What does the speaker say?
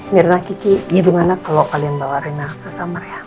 mirna kiki hidung anak kalau kalian bawa raina ke kamar ya